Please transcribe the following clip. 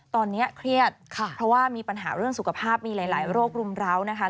ตอนนี้เครียดเพราะว่ามีปัญหาเรื่องสุขภาพมีหลายโรครุมร้าวนะคะ